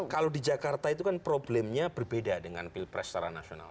kalau di jakarta itu kan problemnya berbeda dengan pilpres secara nasional